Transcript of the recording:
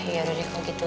ya udah deh kalau gitu